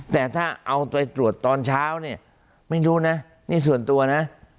แต่ถ้าเอาไปตรวจตอนเช้าเนี่ยไม่รู้นะนี่ส่วนตัวนะ